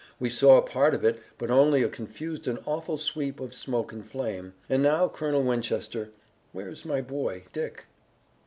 We saw a part of it, but only a confused and awful sweep of smoke and flame. And now, Colonel Winchester, where is my boy, Dick?"